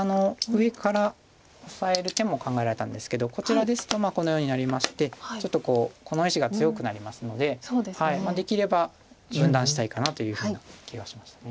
上からオサえる手も考えられたんですけどこちらですとこのようになりましてちょっとこの石が強くなりますのでできれば分断したいかなというふうな気がしました。